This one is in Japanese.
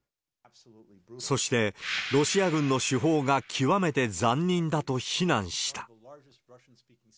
そして、ロシア軍の手法が極めて残忍だと非難した。